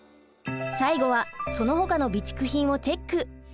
最後はそのほかの備蓄品をチェック。